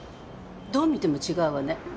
どう見ても違うわね。